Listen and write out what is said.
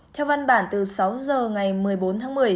theo văn bản từ sáu h ngày một mươi bốn tháng một mươi